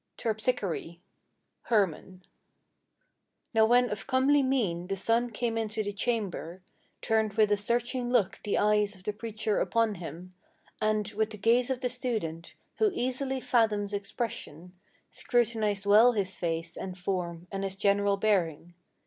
TERPSICHORE HERMANN Now when of comely mien the son came into the chamber, Turned with a searching look the eyes of the preacher upon him, And, with the gaze of the student, who easily fathoms expression, Scrutinized well his face and form and his general bearing.